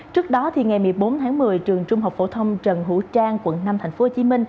trước đó ngày một mươi bốn tháng một mươi trường trung học phổ thông trần hữu trang quận năm tp hcm